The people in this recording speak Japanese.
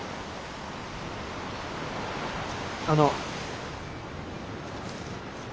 あの。